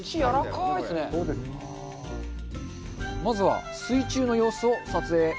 まずは、水中の様子を撮影。